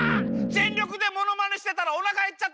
全力でものまねしてたらおなかへっちゃった！